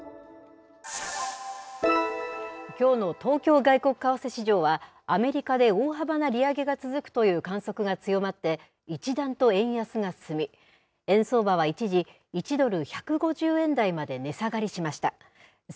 きょうの東京外国為替市場は、アメリカで大幅な利上げが続くという観測が強まって、一段と円安が進み、円相場は一時、１ドル１５０円台まで値下がりしました。